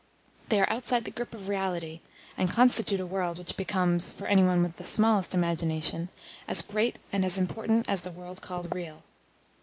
They are outside the grip of reality, and constitute a world which becomes, for any one with the smallest imagination, as great and as important as the world called real.